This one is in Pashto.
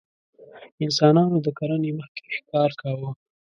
انسانانو د کرنې مخکې ښکار کاوه.